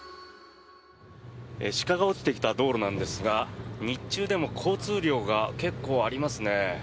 鹿が落ちてきた道路なんですが日中でも交通量が結構ありますね。